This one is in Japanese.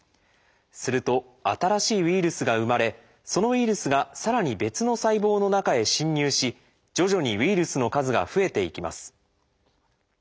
すると新しいウイルスが生まれそのウイルスがさらに別の細胞の中へ侵入し徐々にウイルスの数が増えていきます。